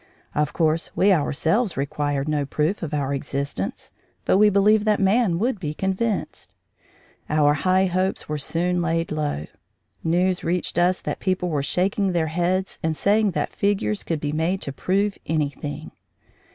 Of course, we ourselves required no proof of our existence, but we believed that man would be convinced. Our high hopes were soon laid low; news reached us that people were shaking their heads and saying that figures could be made to prove anything.